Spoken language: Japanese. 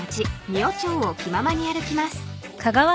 仁尾町を気ままに歩きます］